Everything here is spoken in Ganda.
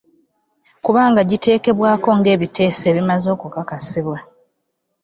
Kubanga giteekebwako ng’ebiteeso bimaze okukakasibwa.